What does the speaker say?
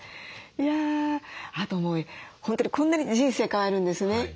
いやあと本当にこんなに人生変わるんですね。